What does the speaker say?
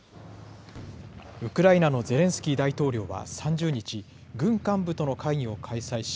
ウクライナのゼレンスキー大統領は３０日、軍幹部との会議を開催し、